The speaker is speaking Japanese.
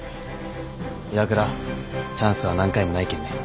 岩倉チャンスは何回もないけんね。